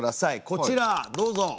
こちらどうぞ！